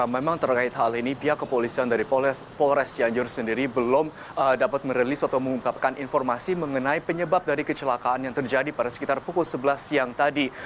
memang terkait hal ini pihak kepolisian dari polres cianjur sendiri belum dapat merilis atau mengungkapkan informasi mengenai penyebab dari kecelakaan yang terjadi pada sekitar pukul sebelas siang tadi